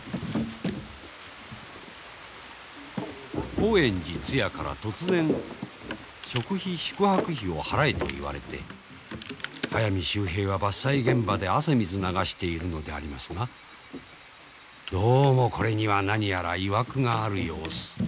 興園寺つやから突然食事宿泊費を払えと言われて速水秀平は伐採現場で汗水流しているのでありますがどうもこれには何やらいわくがある様子。